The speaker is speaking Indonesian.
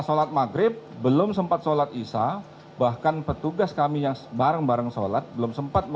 saya akan mencoba